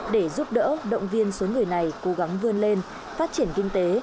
để giúp đỡ động viên số người này cố gắng vươn lên phát triển kinh tế